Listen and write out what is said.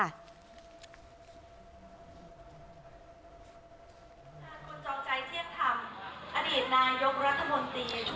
ทางคุณจอมใจเที่ยงธรรมอดีตนายกรัฐมนตรี